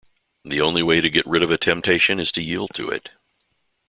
The only way to get rid of a temptation is to yield to it.